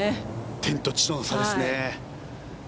天と地の差ですね。